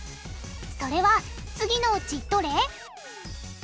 それは次のうちどれ？